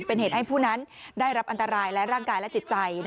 เป็นเหตุให้ผู้นั้นได้รับอันตรายและร่างกายและจิตใจ